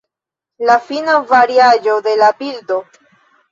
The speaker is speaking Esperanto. La fina variaĵo de la bildo.